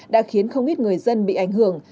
đã khiến không ít người dân bị ảnh hưởng